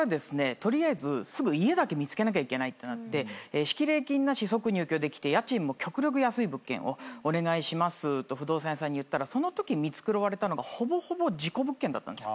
取りあえずすぐ家だけ見つけなきゃいけないってなって敷礼金なし即入居できて家賃も極力安い物件をお願いしますと不動産屋さんに言ったらそのとき見繕われたのがほぼほぼ事故物件だったんですよ